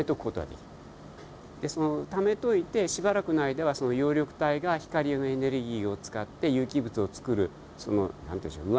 でためといてしばらくの間はその葉緑体が光のエネルギーを使って有機物をつくるその何て言うんでしょう